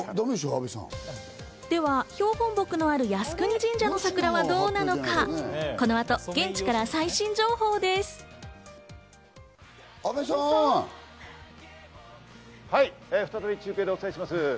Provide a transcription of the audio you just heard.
この後、現地から最新情報です。